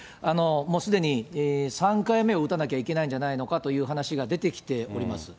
もうすでに３回目を打たなきゃいけないんじゃないかという話が出てきております。